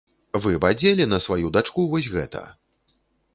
Вы б адзелі на сваю дачку вось гэта?